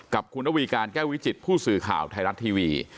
กับคุณระวีการแก้ววิจิตผู้สื่อข่าวไทยรัฐทีวี